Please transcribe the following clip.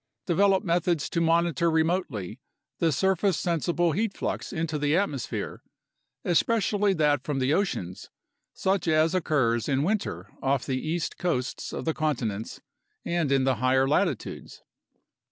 Develop methods to monitor remotely the surface sensible heat flux into the atmosphere, especially that from the oceans, such as occurs in winter off the east coasts of the continents and in the higher latitudes.